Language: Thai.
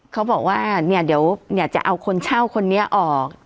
เขาบอกว่าเนี่ยเดี๋ยวจะเอาคนเช่าคนนี้ออก